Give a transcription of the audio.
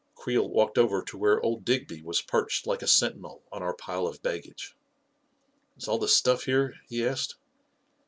Creel walked over to where old Digby was perched like a sentinel on our pile of baggage. 44 Is all the stuff here ?" he asked.